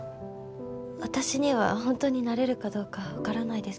私には本当になれるかどうかわからないですけど。